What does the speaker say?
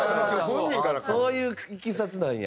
そういういきさつなんや。